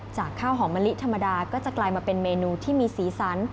ข้าวหอมมะลิธรรมดาก็จะกลายมาเป็นเมนูที่มีสีสัน